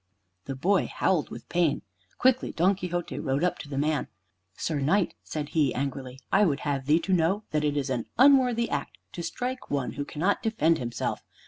The boy howled with pain. Quickly Don Quixote rode up to the man. "Sir Knight," said he angrily, "I would have thee to know that it is an unworthy act to strike one who cannot defend himself.